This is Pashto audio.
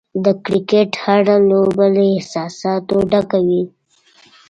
د کرکټ هره لوبه له احساساتو ډکه وي.